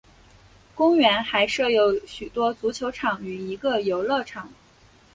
公园还设有许多足球场与一个游乐场。